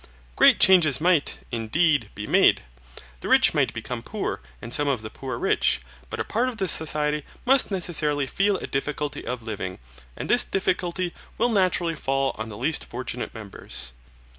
Great changes might, indeed, be made. The rich might become poor, and some of the poor rich, but a part of the society must necessarily feel a difficulty of living, and this difficulty will naturally fall on the least fortunate members.